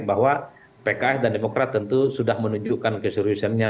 bahwa pks dan demokrat tentu sudah menunjukkan keseriusannya